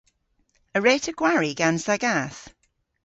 A wre'ta gwari gans dha gath?